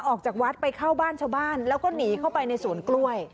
ออกจากวัดไปเข้าบ้านชาวบ้านแล้วก็หนีเข้าไปในสวนกล้วย